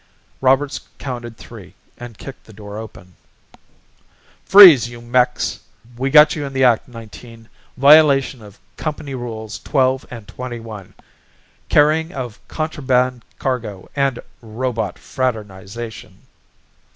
Roberts counted three and kicked the door open. "Freeze you mechs! We got you in the act, Nineteen. Violation of company rules twelve and twenty one. Carrying of Contraband Cargo, and Robot Fraternization."